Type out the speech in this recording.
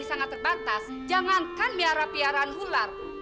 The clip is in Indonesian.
dan sangat terbatas jangankan melihara peliharaan ular